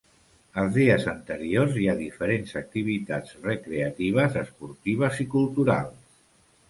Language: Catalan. Els dies anteriors hi ha diferents activitats recreatives, esportives i culturals.